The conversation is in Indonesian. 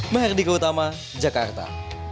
merdeka utama jakarta